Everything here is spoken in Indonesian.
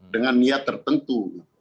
dengan niat tertentu